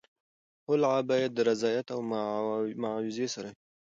خلع باید د رضایت او معاوضې سره وي.